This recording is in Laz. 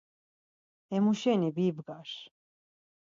Hemuşeni bibgar.